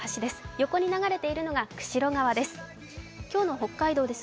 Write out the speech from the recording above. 横に流れてるのが釧路川です。